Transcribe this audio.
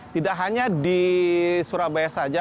tidak hanya di surabaya saja